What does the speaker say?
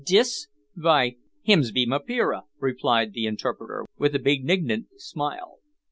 "Dis? vy, hims be mapira," replied the interpreter, with a benignant smile.